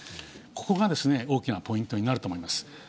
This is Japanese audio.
ここが大きなポイントになると思います。